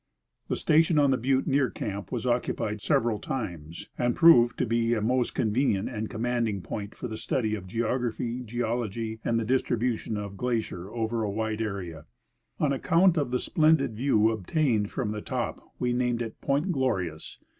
The station on the butte near camp was occupied several times, and proved to be a most convenient and commanding point for study of the geography, geology, and distribution of glacier over a wide area. On account of the splendid view obtained from the top we named it Point Glorious.